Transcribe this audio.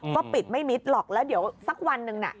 ก็ปิดไม่มิดหรอกแล้วเดี๋ยวสักวันหนึ่งน่ะ